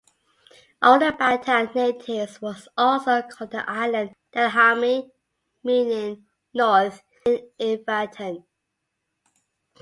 Older Batan natives was also called the island Dihami, meaning "north" in Ivatan.